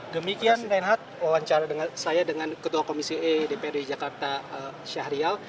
demikian reinhard wawancara saya dengan ketua komisi e dprd jakarta syahrial